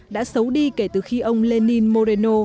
đã xấu đi kể từ khi ông lenin moreno